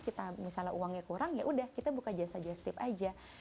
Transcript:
kita misalnya uangnya kurang yaudah kita buka jasa jas tip aja